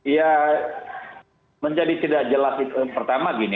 ya menjadi tidak jelas itu pertama gini